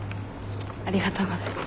ありがとうございます。